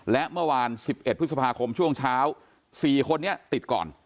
และเมื่อวาน๑๑พฤษภาคมช่วงเช้า๔คนนี้ติดก่อน